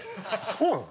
そうなの？